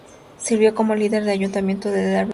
Sirvió como líder del Ayuntamiento de Derby dos veces.